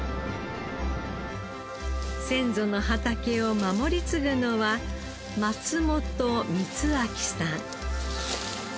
先祖の畑を守り継ぐのは松本充明さん。